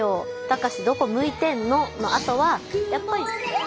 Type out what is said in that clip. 「タカシどこ向いてんの」のあとはやっぱり。